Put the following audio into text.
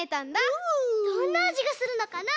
どんなあじがするのかな？